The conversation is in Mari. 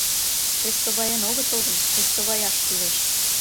Рестоваен огытыл гын, рестоваяш кӱлеш.